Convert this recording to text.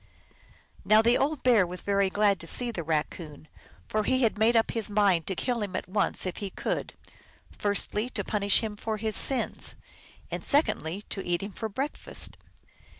Now the old Bear was very glad to see the Eac coon, for he had made up his mind to kill him at once if he could : firstly, to punish him for his sins ; and secondly, to eat him for breakfast.